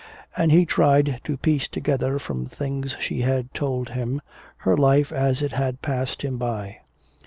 And he tried to piece together from things she had told him her life as it had passed him by.